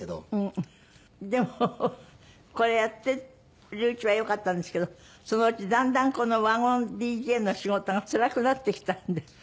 でもこれやっているうちはよかったんですけどそのうちだんだんこのワゴンＤＪの仕事がつらくなってきたんですって？